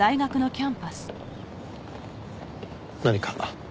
何か？